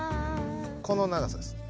この長さです。